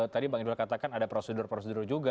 tadi bang idul katakan ada prosedur prosedur juga